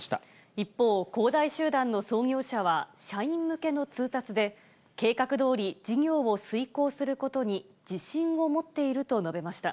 一方、恒大集団の創業者は、社員向けの通達で、計画どおり事業を遂行することに自信を持っていると述べました。